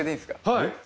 はい。